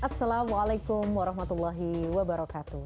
assalamualaikum warahmatullahi wabarakatuh